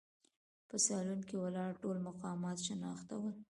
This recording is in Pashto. په سالون کې ولاړ ټول مقامات شناخته ول.